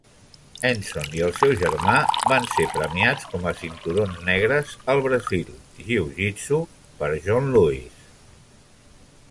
Enson i el seu germà van ser premiats com a cinturons negres al Brasil Jiu-Jitsu per John Lewis.